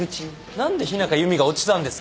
何で日中弓が落ちたんですか。